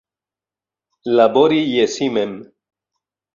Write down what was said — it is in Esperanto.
Labori je si mem.